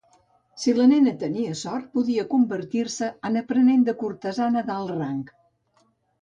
Si la nena tenia sort, podia convertir-se en aprenent de cortesana d'alt rang.